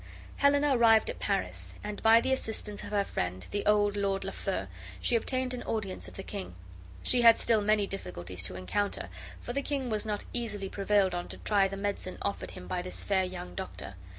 Helena arrived at Paris, and by the assistance of her friend, the old Lord Lafeu, she obtained an audience of the king. She had still many difficulties to encounter, for the king was not easily prevailed on to try the medicine offered him by this fair young doctor.